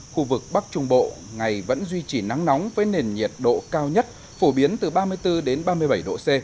khu vực bắc trung bộ ngày vẫn duy trì nắng nóng với nền nhiệt độ cao nhất phổ biến từ ba mươi bốn ba mươi bảy độ c